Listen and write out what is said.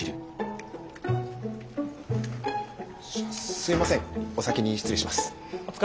すみませんお先に失礼します。